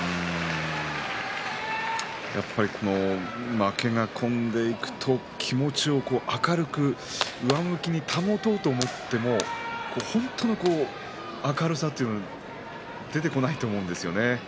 やっぱり負けが込んでいくと気持ちを明るく上向きに保とうと思っても本当に明るさが出てこないですね。